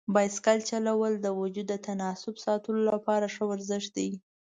بایسکل چلول د وجود د تناسب ساتلو لپاره ښه ورزش دی.